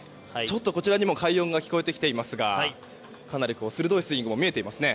こちらにも快音が聞こえてきていますがかなり鋭いスイングも見えていますね。